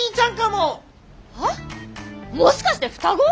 もしかして双子？